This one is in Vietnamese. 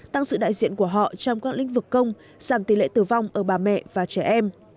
tăng sự đại diện của họ trong các lĩnh vực công giảm tỷ lệ tử vong ở bà mẹ và trẻ em